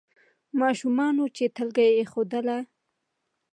ماشومانو چي تلکه ایښودله